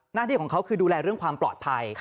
หน้าที่ของเขาคือดูแลเรื่องความปลอดภัย